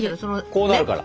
こうなるから。